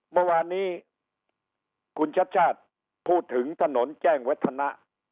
เมื่อวานนี้คุณชัดชาติพูดถึงถนนแจ้งวัฒนะ